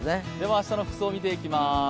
明日の服装見ていきます。